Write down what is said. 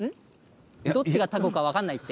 どっちがタコか分かんないって？